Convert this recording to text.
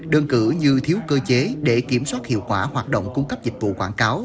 đơn cử như thiếu cơ chế để kiểm soát hiệu quả hoạt động cung cấp dịch vụ quảng cáo